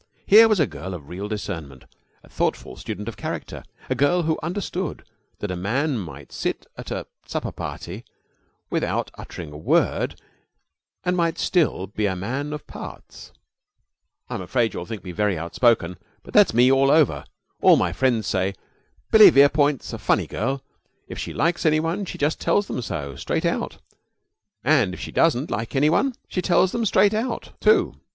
Here was a girl of real discernment a thoughtful student of character a girl who understood that a man might sit at a supper party without uttering a word and might still be a man of parts. "I'm afraid you'll think me very outspoken but that's me all over. All my friends say, 'Billy Verepoint's a funny girl: if she likes any one she just tells them so straight out; and if she doesn't like any one she tells them straight out, too.'"